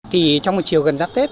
thì trong một chiều gần giáp tết